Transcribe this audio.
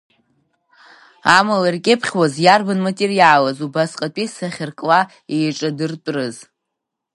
Амала иркьыԥхьуаз иарбан материалыз, убасҟатәи сахьаркла еиҿадыртәрыз?